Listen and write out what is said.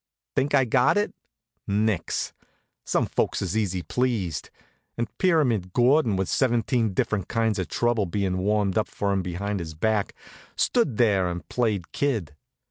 Think I got it? Nix! Some folks is easy pleased. And Pyramid Gordon, with seventeen different kinds of trouble bein' warmed up for him behind his back, stood there and played kid.